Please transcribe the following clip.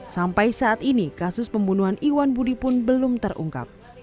sampai saat ini kasus pembunuhan iwan budi pun belum terungkap